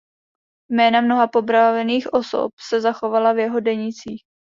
Jména mnoha popravených osob se zachovala v jeho denících.